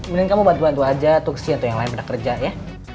mending kamu bantu bantu aja tuxi atau yang lain pada kerja ya